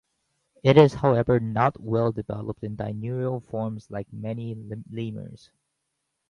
It is however not well developed in diurnal forms like many lemurs.